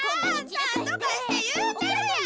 なんとかしていうてるやん。